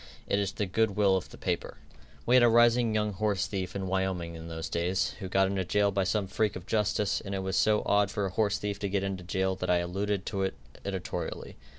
It is the good will of the paper." We had a rising young horsethief in Wyoming in those days, who got into jail by some freak of justice, and it was so odd for a horsethief to get into jail that I alluded to it editorially.